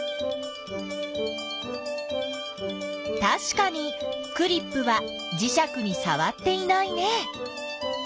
たしかにクリップはじしゃくにさわっていないね。